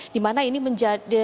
di mana ini menjadikan